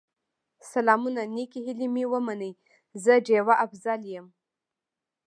سلامونه نیکې هیلې مې ومنئ، زه ډيوه افضل یم